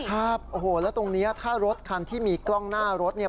ครับโอ้โหแล้วตรงนี้ถ้ารถคันที่มีกล้องหน้ารถเนี่ย